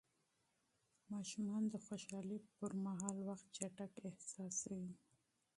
ماشومان د خوښۍ پر مهال وخت چټک احساسوي.